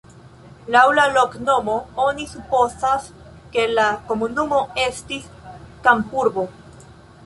Laŭ la loknomo oni supozas, ke la komunumo estis kampurbo.